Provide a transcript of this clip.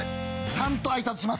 ちゃんと挨拶します。